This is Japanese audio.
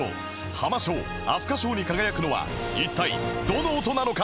ハマ賞アスカ賞に輝くのは一体どの音なのか？